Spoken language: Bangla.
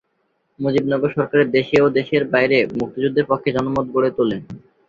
মুজিবনগর সরকারের দেশে ও দেশের বাইরে মুক্তিযুদ্ধের পক্ষে জনমত গড়ে তোলে।